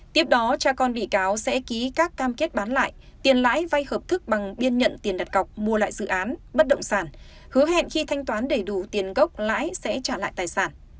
tiếp đó cha con bị cáo sẽ ký các cam kết bán lại tiền lãi vay hợp thức bằng biên nhận tiền đặt cọc mua lại dự án bất động sản hứa hẹn khi thanh toán đầy đủ tiền gốc lãi sẽ trả lại tài sản